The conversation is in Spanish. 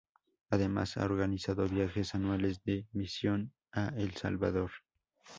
Además, ha organizado viajes anuales de misión a El Salvador.